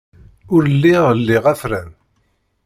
Ur lliɣ liɣ afran.